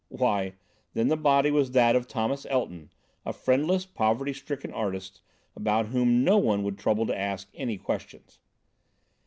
Why, then, the body was that of Thomas Elton, a friendless, poverty stricken artist, about whom no one would trouble to ask any questions.